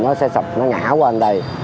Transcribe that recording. nó sẽ ngã qua bên đây